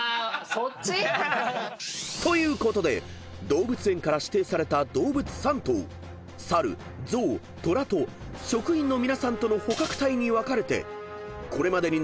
そっち⁉［ということで動物園から指定された動物３頭サルゾウトラと職員の皆さんとの捕獲隊に分かれて］